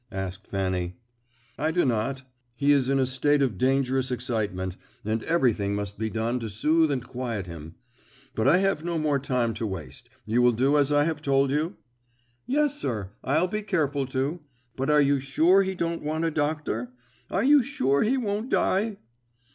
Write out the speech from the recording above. asked Fanny. "I do not; he is in a state of dangerous excitement, and everything must be done to soothe and quiet him. But I have no more time to waste. You will do as I have told you?" "Yes, sir, I'll be careful to. But are you sure he don't want a doctor? Are you sure he won't die?"